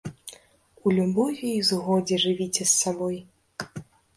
У любові і згодзе жывіце з сабой!